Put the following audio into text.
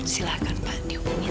silahkan pak dihubungin